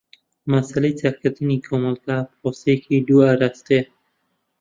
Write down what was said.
مەسەلەی چاکردنی کۆمەلگا پرۆسەیەکی دوو ئاراستەیە.